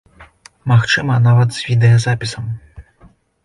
Магчыма, нават, з відэазапісам.